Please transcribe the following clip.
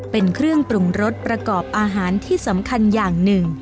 เป็นเครื่องปรุงรสประกอบอาหารที่สำคัญอย่างหนึ่ง